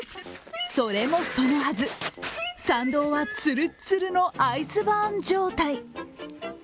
それもそのはず、参道はつるっつるのアイスバーン状態。